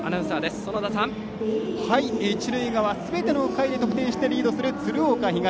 一塁側すべての回で得点している鶴岡東。